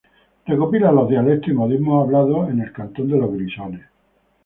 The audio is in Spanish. Recopila los dialectos y modismos hablados en el cantón de los Grisones.